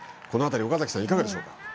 このあたり岡崎さん、いかがでしょうか。